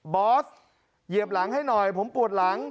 บอสเหยียบหลังให้หน่อยผมปวดหลัง